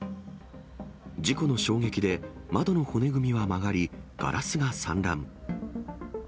事故の衝撃で窓の骨組みは曲がり、ガラスが散乱。